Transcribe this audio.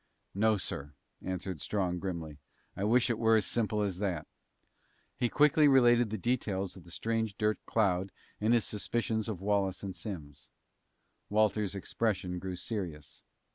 "No, sir," answered Strong grimly. "I wish it were as simple as that." He quickly related the details of the strange dirt cloud and his suspicions of Wallace and Simms. Walters' expression grew serious.